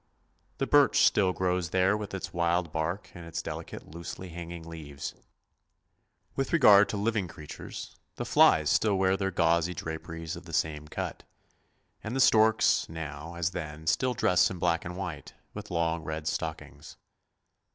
The birch still grows there with its white bark and its delicate, loosely hanging leaves. With regard to living creatures, the flies still wear their gauzy draperies of the same cut; and the storks now, as then, still dress in black and white, with long red stockings.